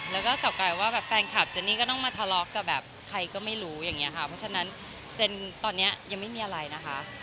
แล้วก็กลับกลายว่าแบบแฟนคลับเจนนี่ก็ต้องมาทะเลาะกับแบบใครก็ไม่รู้อย่างนี้ค่ะเพราะฉะนั้นเจนตอนนี้ยังไม่มีอะไรนะคะ